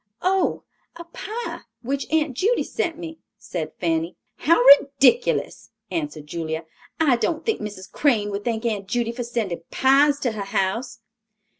"Oh, a pie, which Aunt Judy sent me," said Fanny. "How ridiculous," answered Julia; "I don't think Mrs. Crane would thank Aunt Judy for sending pies to her house."